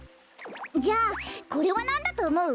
じゃあこれはなんだとおもう？